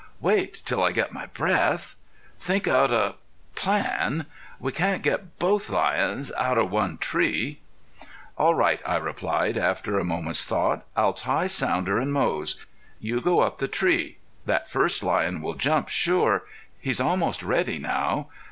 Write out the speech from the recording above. "Wait till I get my breath. Think out a plan. We can't get both lions out of one tree." "All right," I replied, after a moment's thought. "I'll tie Sounder and Moze. You go up the tree. That first lion will jump, sure; he's almost ready now.